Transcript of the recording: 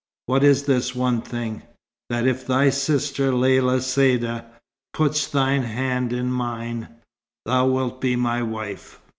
"What is the one thing?" "That if thy sister Lella Saïda puts thine hand in mine, thou wilt be my wife."